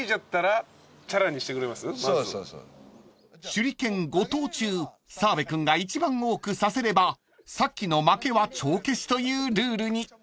［手裏剣５投中澤部君が一番多く刺せればさっきの負けは帳消しというルールに］